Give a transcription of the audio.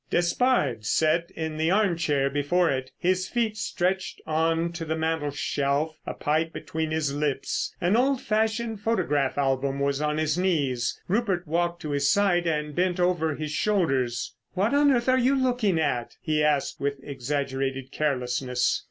Despard sat in the arm chair before it, his feet stretched on to the mantelshelf, a pipe between his lips. An old fashioned photograph album was on his knees. Rupert walked to his side and bent over his shoulders. "What on earth are you looking at?" he asked with exaggerated carelessness.